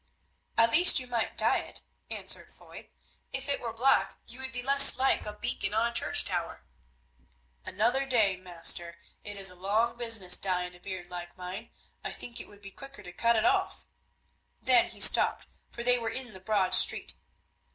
"At least you might dye it," answered Foy; "if it were black you would be less like a beacon on a church tower." "Another day, master; it is a long business dyeing a beard like mine; I think it would be quicker to cut it off." Then he stopped, for they were in the Broad Street.